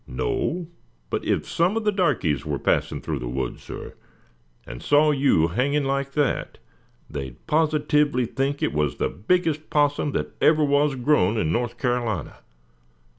"No, but if some of the darkies were passing through the woods, suh, and saw you hanging like that, they'd positively think it was the biggest 'possum that ever was grown in North Car'lina.